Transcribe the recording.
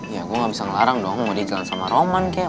iya gue gak bisa ngelarang dong mau dijalankan sama roman kek